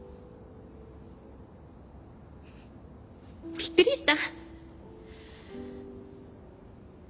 びっくりした？